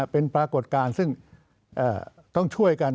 เป็นปรากฏการณ์ซึ่ง